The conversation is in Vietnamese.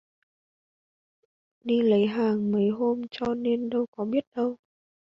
Đi lấy hàng mấy hôm cho nên đâu có biết đâu